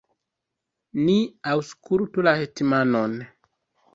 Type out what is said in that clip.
ni aŭskultu la hetmanon!